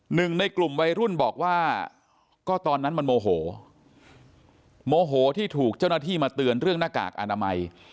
หนึ่งในกลุ่มวัยรุ่นบอกว่าก็ตอนนั้นมันโมโหโมโหที่ถูกเจ้าหน้าที่มาเตือนเรื่องหน้ากากอนามัย